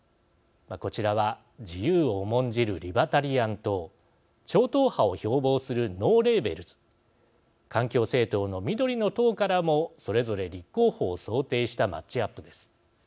こちらは、自由を重んじるリバタリアン党超党派を標ぼうするノーレーベルズ環境政党の緑の党からもそれぞれ立候補を想定したマッチアップです。